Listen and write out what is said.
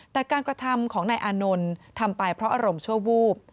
แต่การกระทำของนายอานนท์ทำไปเพราะอารมณ์ชั่ววูบ